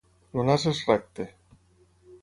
El nas és recte.